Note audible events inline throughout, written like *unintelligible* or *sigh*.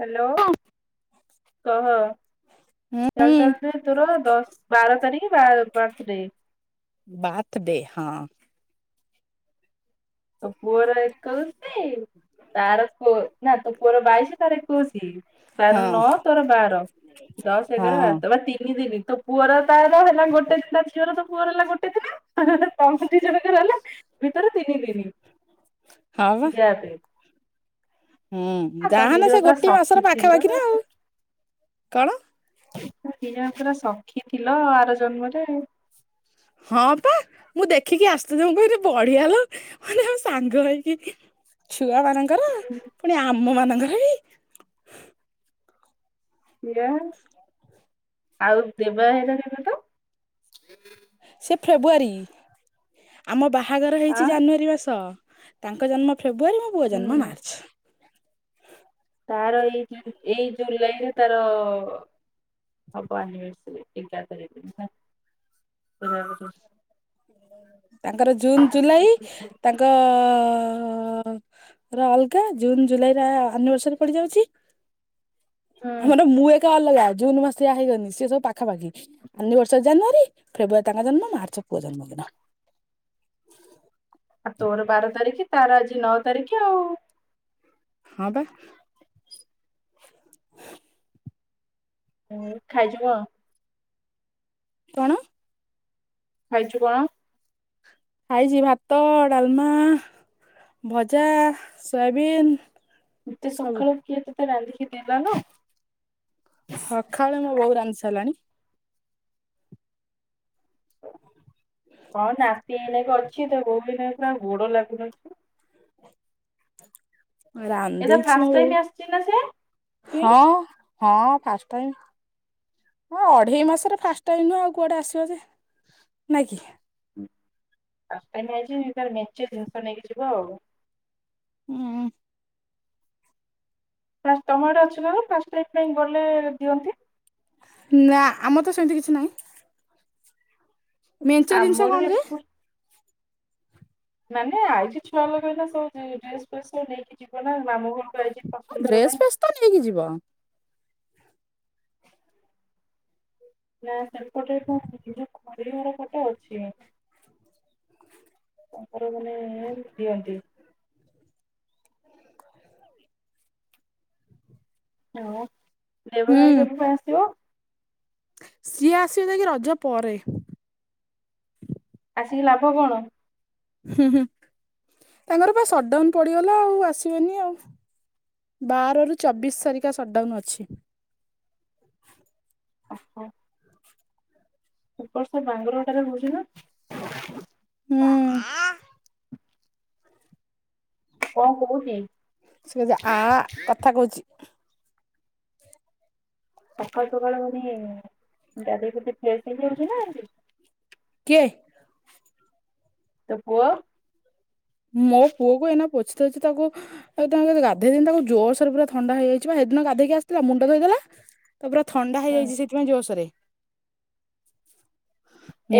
Hello କହ ହୁଁ ଚାଲ ଚାଲ ସେ ର ଦଶ ବାର ତାରିଖ ପାଞ୍ଚ ତାରିଖ ବାତ ଦେ ହଁ। ପୁଅର ଏକୋଉଶି। ତାର ନା ତ *unintelligible* ବାଇଶି ତାର ଏକୋଇଶି ତାର ହଁ ନଅ ତୋର ବାର। ଦଶସ ହଁ ଏଗର *unintelligible* ତିନି ଦିନି ତ ପୁଅର ତାର ହେଲା ଗୋଟେ ଦିନ ଥିଲା ଝିଅର ତ ପୁଅର ହେଲା ଗୋଟେ ଥିଲା କଁତି ଜଣଙ୍କର ଭିତରେ ତିନି ଦିନି। ହଁ ବା ଜୟପି ହୁଁ ତମେ ଦି ଯାହାନ ଜଣ ସେ ପୁରା ଗୋଟିଏ ମାସର ସଖୀ ଥିଲ ପାଖାପାଖିରେ ଆଉ କଣ ତମେ ଦିଇ ଜଣଙ୍କର ପୁରା ସଖୀ ଥିଲ ଆର ଜନ୍ମରେ। ହଁ ପା ମୁଁ ଦେଖିକି ଆସି ଦେବ କହିଲେ ବଢିଆ ହେଲା। ମାନେ ଆଉ ସାଙ୍ଗ ହେଇକି ଛୁଆଙ୍କର ହ ପୁଣି ଆମ ମାନଙ୍କର ବି। ସିଏ ଆଉ ଦେବା ଭାଇ *unintelligible* ସେ ଫେବୃଆରୀ ଆମ ବାହାଘର ହେଇଛି ଆଁ ଜାନୁଆରୀ ମାସ। ତାଙ୍କ ଜନ୍ମ ଫେବୃୁୟରୀ ମୋ ପୁଅ ହୁଁ ଜନ୍ମ ମାର୍ଚ୍ଚ। ତାର ଏଇ ଜୁଲ୍ ଏଇ ଜୁଲାଇରେ ତାର *unintelligible* ତାଙ୍କର ଜୁନ ଜୁଲାଇ ତାଙ୍କ ର ଅଲଗା ଜୁନ ଜୁଲାଇ ର ଆନିଭରସରି ପଡିଯାଉଛି। ଆମର ଆଉ ମୁଁ ଏକା ଅଲଗା ଜୁନ୍ ମାସରେ ବାହାହେଇଗନି। ସିଏ ସବୁ ପାଖାପାଖି। ଆନିଭର୍ଶରି ଜାନୁଆରୀ ଫେବୃଆରି ତାଙ୍କ ଜନ୍ମ ମାର୍ଚ୍ଚ ପୁଅ ଜନ୍ମ। *unintelligible* ଆଉ ତୋର ବାର ତାରିଖ ତାର ଆଜି ନଅ ତାରିଖ ଆଉ। ହଁ ପା। ହ ଖାଇଯିବ ଆଉ। କଣ? ଖାଇଛୁ କଣ? ଖାଇଛି ଭାତ ଡାଲମା ଭଜା ସୋୟାବିିନ। ଏତେ ସକାଳୁ କିଏ ତୋତେ ରାନ୍ଧିକି ଦେଲାନା? ସକାଳେ ମୋ ବୋଉ ରାନ୍ଧି ସାରିଲାଣି। ହଁ ନାତି ଏନେଇକା ଅଛି ତ ବୋଉ ଏନେକା ଗୋଡ ଲାଗୁନଥିବ। ରାନ୍ଧି ଏଇଟା ଦେଇଛି ଫାଷ୍ଟ ମୁଁ ଟାଇମ ଆସିଛି ନା ସେ ଚୁଇଁ ହଁ ହଁ ଫାଷ୍ଟ ଟାଇମ। ହଁ ଅଢେଇ ମାସରେ ଫାଷ୍ଟ ଟାଇମ୍ ନୁହଁ ଆଉ କୁଆଡେ ଆସିବ ଯେ ନାଇଁ କି। ଫାଷ୍ଟ ଟାଇମ୍ ଆଜି ତାର ମେଞ୍ଚେ ଜିନିଷ ନେଇକିଯିବ ଆଉ। ହୁଁ। ଫାଷ୍ଟ ତମ ଆଡ଼େ ଅଛି ନା କଣ ଫାଷ୍ଟ ଟାଇମ ପାଇଁ ଗଲେ ଦିଅନ୍ତି? ନା ଆମର ତ ସେମିତି କିଛି ନାହିଁ। ମେଞ୍ଚେ ଜିନିଷ ଆମର ବି କଣ ଯେ? ଏପଟେ ମାନେ ଆଇଛି ଛୁଆ ଏଇନା ସବୁ ଡ୍ରେସ ଫେସ୍ ସବୁ ନେଇକି ଯିବ ନା ମାମୁଁ ଘରୁ? ଡ୍ରେସ ଫେସ୍ ତ ନେଇକି ଯିବ। ନା ସେପଟେ *unintelligible* ସେପଟେ ପେଟ ଅଛି ତାଙ୍କର ମାନେ ଦିଅନ୍ତି। ହଉ ଦେବ ହୁଁ ଭାଇ କେବେକୁ ଆସିବ? ସିଏ ଆସିବେ ଯାଇକି ରଜ ପରେ। ଆସିକି ଲାଭ କଣ? ହୁଁ ହୁଁ ତାଙ୍କର ପା ସଟଡାଉନ ପଡିଗଲା ଆଉ ଆସିବେନି ଆଉ। ବାରରୁ ଚବିଶ ତାରିଖ ସଟ୍ଡାଉନ୍ ଅଛି। ଓହୋ। ଉପରସେ ବାଙ୍ଗଲୋର ଟାରେ ରହୁଛି ନା। ହୁଁ। କଣ କହୁଛି? ସେ ଯା ଆ କଥା କହୁଛି। ସକାଳୁ ସକାଳୁ ମାନେ ଗାଧେଇ ପାଧେଇ ଫ୍ରେଶ ହେଇଯାଉଛି ନା ହେମିତିି। କିଏ? ତୋ ପୁଅ? ମୋ ପୁଅ କୁ ଏଇନା ପୋଛି ଦଉଛି ତାକୁ ଆଉ ତାକୁ ଆଗେ ଗାଧେଇ ଦେଇନି ତାକୁ ଜୋର୍ ସେରେ ପୁରା ଥଣ୍ଡା ହେଇଯାଇଛି ବା ହେଦିନ ଗାଧେଇକି ଆସିିଥିଲା ମୁଣ୍ଡ ଧୋଇଦଲା ତାକୁ ପୁରା ଥଣ୍ଡା ହୁଁ ହେଇଯାଇଛି ସେଥିପାଇଁ ଜୋସରେ।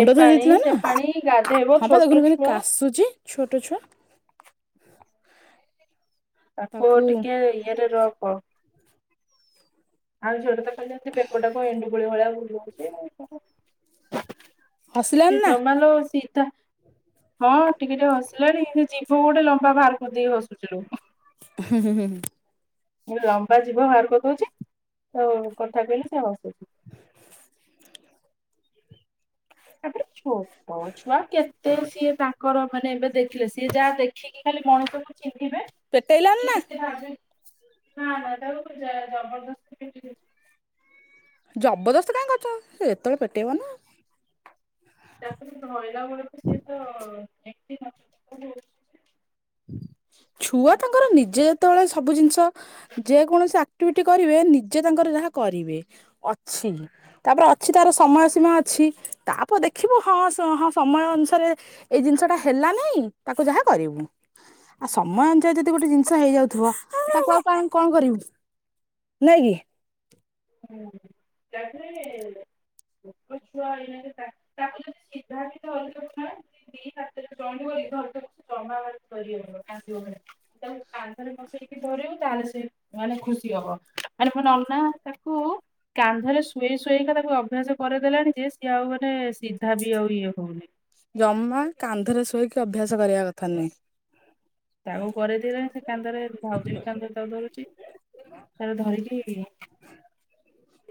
ଏ ଧୋଇ ପାଣି ଦେଇଥିଲା ସେ ନା ପାଣି ଗାଧେଇବ ହଁ ପା ଛୋଟ ଦେଖୁନୁ କେମିତି ଛୁଆ କାଶୁଛି ଛୋଟ ଛୁଆ। ତାକୁ ଟିକେ ଇଏରେ ରଖ। ଆଉ ଝୋରେ ତ କହିଲେ ଏମିତି ବେକଟାକୁ ଏଣ୍ଡୁ କୋଳି ଭଳିଆ ବୁଲଉଛି ଆଉ କଣ। ହସିଲାନି ସିଏ ନା ଜମା ଲୋ ସୀଧା ହଁ ଟିକେ ଟିକେ ହସିଲାଣି ଯିଭ ଗୋଟେ ଲମ୍ବା ବାହାର କରିଦେଇିକି ହସୁଛିଲୋ। ହୁଁ ହୁଁ ହୁଁ ହୁଁ। ଲମ୍ବା ଜିଭ ବାହାର କରିଦଉଛି। ତଉ କଥା କହିଲି ସେ ହସୁଛି। *inaudible* ତାପରେ ଛୋଟ ଛୁଆ କେତେ ସିଏ ତାଙ୍କର ମାନେ ଏବେ ଦେଖିଲେ ସିଏ ଯାହା ଦେଖି ଟିକେ ଖାଲି ମଣିଷକୁ ଚିହ୍ନିବେ। ପେଟେଇଲାନି ନା *unintelligible* ନା ନା ତାକୁ ଜା ଜବରଦସ୍ତି ପିନ୍ଧେଇ ଦେବି। ଜବରଦସ୍ତ କାଇଁ କରୁଛ ସେ ଯେତେବେଳେ ପେଟେଇବ ନା। ତାପରେ ଧଇଲା ବେଳକୁ ସିଏ ତ ଏମିତି *unintelligible* ହଉଛି। ଛୁଆ ତାଙ୍କର ନିଜେ ଯେତେବେଳେ ସବୁ ଜିନିଷ ଯେକୌଣସି ଆକ୍ଟିଭିଟି କରିବେ ନିଜେ ତାଙ୍କର ଯାହା କରିବେ ଅଛି। ତାପରେ ଅଛି ତାର ସମୟ ସୀମା ଅଛି ତାପରେ ଦେଖିବୁ ହଁ ହଁ ସମୟ ଅନୁସାରେ ଏଇ ଜିନିଷ ଟା ହେଲା ନାଇଁ ତାକୁ ଯାହା କରିବୁ। ଆଉ ସମୟ ଅନୁଯାୟୀ ଯଦି ଗୋଟେ ଜିନିଷ ହେଇଯାଉଥିବ ତାକୁ ଆଉ କାଇଁ କଣ କରିବୁ। ନାଇକି? ହୁଁ *unintelligible* ଛୋଟ ଛୁଆ ଏଇନାକେ ତାଙ୍କୁ ତାଙ୍କୁ ଯଦି ସୀଧା ବି ଧରିବୁ *unintelligible* *unintelligible* ପକେଇକି ଧରିବୁ ତାହେଲେ ସେ ମାନେ ଖୁସି ହବ ମାନେ ମୋ ନନା ତାକୁ କାନ୍ଧରେ ଶୁଏଇ ଶୁଏଇକା ତାକୁ ଅଭ୍ୟାସ କରେଇଦେଲାଣି ଯେ ସିଏ ଆଉ ମାନେ ସିଧା ବି ଆଉ ଇଏ ହଉନି। ଯମା କାନ୍ଧରେ ଶୁଏଇକି ଅଭ୍ୟାସ କରିବା କଥା ନୁହେଁ। ତାକୁ କରେଇଦେଲାଣି ସେ କାନ୍ଧରେ ଭାଉଜ ବି କାନ୍ଧରେ ତାକୁ ଧରୁଚି। ତାର ଧରିକି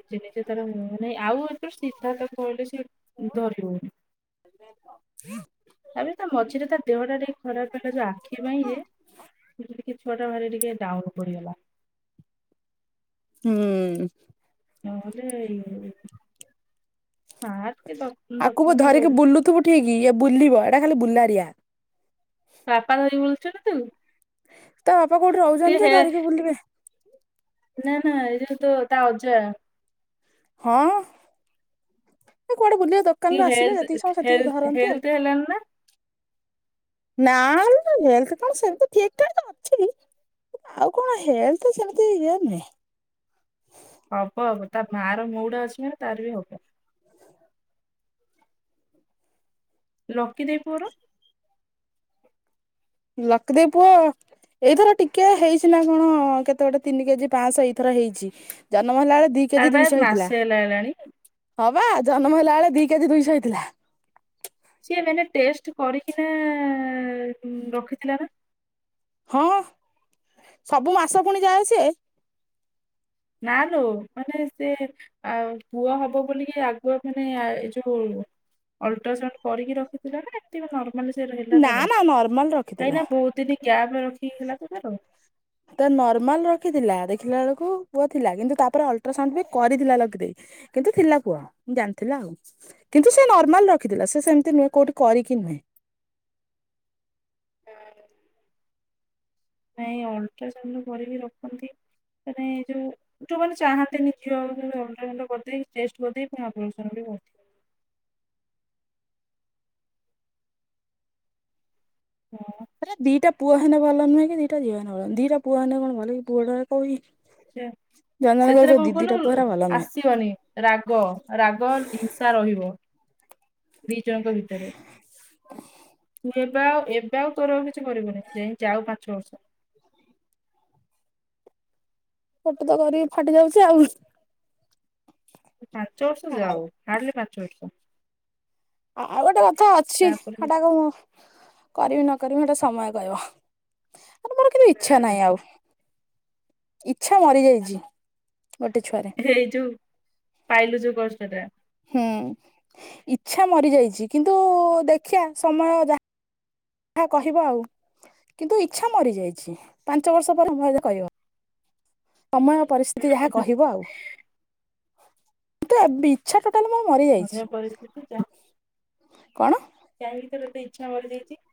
ନିଜେ ନିଜେ ତାର ଉଁ ମାନେ ଆଉ ଏଥର ସିଧା ତାକୁ ଧଇଲେ ସିଏ ଧରି ହଉନି। *unintelligible* ତାପରେ ତା ମଝିରେ ତା ଦେହ ଟା ଟିକେ ଖରାପ୍ ହେଲା ଯା ଖି ପାଇଁ ଏ ଟିକେ ଟିକେ ଛୁଆଟା ଭାରି ଟିକେ ଡାଉନ୍ ପଡିଗଲା। ହୁଁ। ନହେଲେ ଆ *unintelligible* ଥିବୁ ଠିକି ଇଏ ବୁଲିବ ଏଟା ଖାଲି ବୁଲାରିଆ। ତା ବାପା ଧରି ବୁଲଚନ୍ତି ନାଁ ତୁ? ତା ବାପା କୋଉଠି ଟିକେ ରହୁଛନ୍ତି ଯେ ହେ ଧରିକି ବୁଲିବେ। ନା ନା ଏଇ ଯୋଉ ତୋ ତା ଅଜା। ହଁ ଏ କୁଆଡେ ବୁଲିବ ଦୋ କାନ ଟିକେ ରୁ ଆସିଲେ ହେଲ୍ଥ ଯେତିକି ସମୟ ସେତିକି ହେଲ୍ଥ ଧରନ୍ତି ଆଉ। ହେଲ୍ଥ ହେଲାଣି ନା ନା ଲୋ ହେଲଥ୍ କଣ ସେମିତି ଠିକ୍ ଠାକ୍ ଅଛି। ଆଉ କଣ ହେଲଥ୍ ସେମିତି ଇଏ ନୁହେଁ। ହବ ହବ ତା ମା ର ମୁଉଡ୍‌ ଅଛି ମାନେ ତାର ବି ହବ। ଲକି ଦେଇ ପୁଅର? ଲକି ଦେଇ ପୁଅ ଆଉ। ଏଇଥର ଟିକେ ହେଇଛି ନା କଣ କେତେ ଗୋଟେ ତିନି କେଜି ପାଞ୍ଚଶହ ଏଇଥର ହେଇଛି। ଜନମ ହେଲା ବେଳେ ଦି ତାର କେଜି ବା ଦୁଇଶହ ହେଇଥିଲା। ମାସେ ହେଲା ହେଲାଣି ହଁ ବା ଜନମ ହେଲା ବେଳେ ଦି କେଜି ଦୁଇଶହ ହେଇଥିଲା। ସିଏ ମାନେ ଟେଷ୍ଟ କରିକିନା ରଖିଥିଲା ନା? ହଁ ସବୁ ମାସ ଫୁଣି ଯାଏ ସିଏ। ନା ଲୋ ମାନେ ସେ ଆଉ ପୁଅ ହବ ବୋଲି ଆଗୁଆ ମାନେ ଏଯୋଉ ଅଲ୍‌ଟ୍ରାସାଉଣ୍ଡ କରିକି ରଖିଥିଲା ନା ଏମତି ନର୍ ମାନେ ସେ ର ହେଲା ନା ତାର ନା ନର୍ମାଲ କାହିଁକି ରଖିଥିଲା। ନା ବହୁତ ଦିନ ଗ୍ୟାପ୍ ରଖିକି ହେଲା ତ ତାର। ତା ନର୍ମାଲ ରଖିଥିଲା ଦେଖିଲା ବେଳକୁ ପୁଅ ଥିଲା କିନ୍ତୁ ତାପରେ ଅଲ୍‌ଟ୍ରାସାଉଣ୍ଡ ବି କରିଥିଲା ଲକି ଦେଇ। କିନ୍ତୁ ଥିଲା ପୁଅ ଜାଣିଥିଲା ଆଉ। କିନ୍ତୁ ସେ ନର୍ମାଲ ରଖିଥିଲା ସେ ସେମିତି ନୁହେଁ। କୋଉଠିି କରିକି ନୁହେଁ। ନାଇଁ ଅଲଟ୍ରାସାଉଣ୍ଡ କରିକି ରଖନ୍ତି। ମାନେ ଏ ଯୋଉ ଯୋଉମାନେ ଚାହାନ୍ତିନି ଝିଅ ହୋଉ ବୋଲି ଅଲଟ୍ରାସାଉଣ୍ଡଟା କରିଦେଇ ଟେଷ୍ଟ କରିଦେଇ ପୁଣି ଅପରେସନ୍ ବି ହେଉଚନ୍ତି। ହଁ। ଆରେ ଦିଟା ପୁଅ ହେନେ ଭଲ ନୁହେଁ କି ଦିଟା ଝିଅ ହେନେ ଭଲ ନୁହେଁ। ଦିଟା ପୁଅ ହେନେ କଣ ଭଲ କି ପୁଅଟା କୋଉ *unintelligible* ସେଥିରେ କଣ ପୁଅ କହିଲୁ ହେରା ଭଲ ନୁହେଁ ଆସିବନି। ରାଗ-ରାଗ ହିଂସା ରହିବ। ଦି ଜଣଙ୍କ ଭିତରେ ହୁଏ ବା ଏ ଏବେ ଆଉ ତୋର ଆଉ କିଛି କରିବୁନି ଯାଇଁ ଯାଉ ପାଞ୍ଚ ବର୍ଷ। ଗୋଟେ ତ କରିକି ଫାଟି ଯାଉଚି ଆଉ। ପାଞ୍ଚ ବର୍ଷ ଆଉ ଯାଉ ହାର୍ଡଲି ପାଞ୍ଚ ବର୍ଷ। ଆଉ ଗୋଟେ କଥା ଅଛି ତାପରେ ହେଟାକୁ ମୁଁ କରିବି ନକରିବି ହେଟା ସମୟ କହିବ। ଆରେ ମୋର କିନ୍ତୁ ଇଚ୍ଛା ନାହିଁ ଆଉ। ଇଚ୍ଛା ମରି ଯାଇଛି ଗୋଟେ ଛୁଆରେ। ହେଇ ଯୋଉ ପାଇଲୁ ଯୋଉ କଷ୍ଟଟା। ହୁଁ ଇଚ୍ଛା ମରିଯାଇଛି। କିନ୍ତୁ ଦେଖିବା ସମୟ ଯାହା ଯାହା କହିବ ଆଉ। କିନ୍ତୁ ଇଚ୍ଛା ମରିଯାଇଛି ପାଞ୍ଚ ବର୍ଷ ପରେ ଭଲ ରେ କହିବ। ସମୟ ପରିସ୍ଥିତି ଯାହା କହିବ ଆଉ। ଦେବି ଇଛା ଟୋଟାଲ ମୋର ସମୟ ମରିଯାଇଛି ପରିସ୍ଥିତି କଣ? କାଇଁ ତୋର ଏବେ ଇଚ୍ଛା ମାରିଯାଇଚି।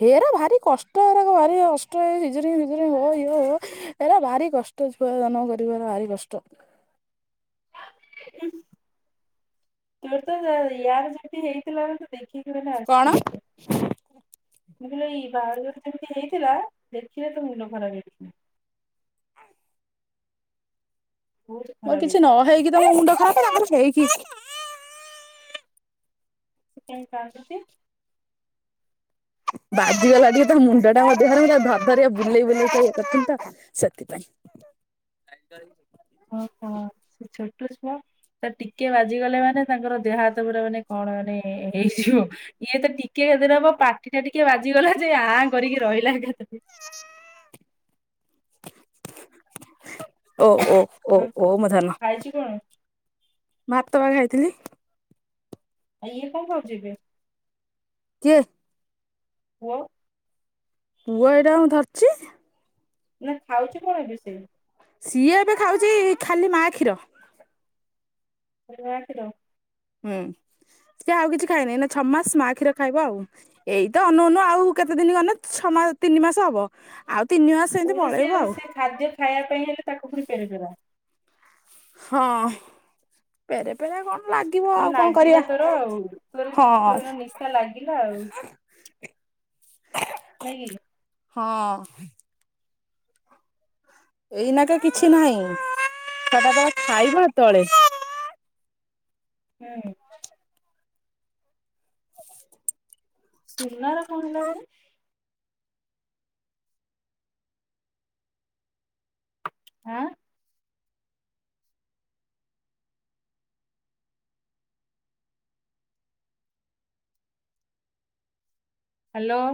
ହେରା ଭାରି କଷ୍ଟ ଏରା ଭାରି କଷ୍ଟ ଶିଯରିଙ୍ଗ ଫିଯରିଙ୍ଗ ହୁଅ ଇଏ ହୁଅ। ଏରା ଭାରି କଷ୍ଟ ଛୁଆ ଜନମ କରିବାର ଭାରି କଷ୍ଟ। ଉଁ- ଉନ ତୋରତ ୟାର ଜେମିତି ହେଇଥିଲା। କଣ *unintelligible* ମୁଁ କହିଲି ଏଇ ବାହାଘର ଯେମିତି ହେଇଥିଲା ଦେଖିଲେ ତ ମୁଣ୍ଡ ଖରାପ ହେଇ ଉଁ ବହୁତ ମୋର ଖରାପ କିଛି ନ ହେଇଥିଲା ହେଇକି ତ ମୋ ମୁଣ୍ଡ ଖରାପ ହେଇକି ସେ କାହିଁ କନ୍ଦୁଛି? ବାଜିଗଲା ଟିକେ ତା ମୁଣ୍ଡ ଟା ମୋ ଦେହରେ ଧରି ଧରି ବୁଲେଇ ବୁଲେଇ ତାକୁ ଇଏ କରୁଥିଲି ତ ସେଥିପାଇଁ। ଓହୋ ଛୋଟ ଛୁଆ। ତ ଟିକେ ବାଜିଗଲେ ମାନେ ତାଙ୍କର ଦେହ ହାତ ପୁରା ମାନେ କଣ ମାନେ ହେଇଯିବ ଇଏ ତ ଟିକେ ଯଦି ହବ ପାଟି ଟା ଟିକେ ବାଜିଗଲା ଯେ ଆଁ କରିକି ରହିଲା ଏକା ଥରେ ଓ ଓ ଓ ଓ ମୋ ଧନ। ଖାଇଛୁକଣ? ଭାତ ପା ଖାଇଥିଲି। ଆଉ ଇଏ କଅଁ ଖାଉଛି ଏବେ? କିଏ? ପୁଅ ପୁଅ ଏଇଟା ଙ୍କୁ ମୁଁ ଧରିଚି। ନା ଖାଉଚି କଣ ଏବେ ସେ? ସିଏ ଏବେ ଖାଉଚି ଖାଲି ମା କ୍ଷୀର। ଖାଲି ମା କ୍ଷୀର। ହୁଁ ସେ ଆଉ କିଛି ଖାଇନି ଏଇନା ଛଅ ମାସ ମା କ୍ଷୀର ଖାଇବ ଆଉ। ଏଇତ ଅନଉ ଅନଉ ଆଉ କେତେ ଦିନ ଗଲେ ଛଅ ମାସ ତିନି ମାସ ହବ ଆଉ ତିନି ମାସ ଏମିତି ପୁଣି ପଳେଇବ ଆଉ ସେ ଖାଦ୍ୟ ଖାଇବା ପାଇଁ ହେଲେ ତାକୁ ପୁଣି ପେରେପେରା। ହଁ ପେରେ ପେରା କଣ? ଲାଗିବ ଆଉ କଣ ନାଗିଲା କରିବା। ତୋର ତୋର ହଁ ତୋର ନିଶା ଲାଗିଲା ଆଉ। ନାଇଁ କି ହଁ। ଏଇନା କେ କିଛି ନାହିଁ ଛୁଆ ଟାଯେତେବେଳେ ଖାଇବା ହେ ତଳେ। ହୁଁ। ସିଲା ର କଣ ହେଲା କିରେ? ଆଁ ହ୍ୟାଲୋ।